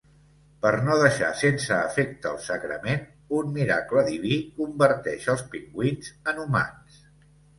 Per no deixar sense efecte el sagrament, un miracle diví converteix els pingüins en humans.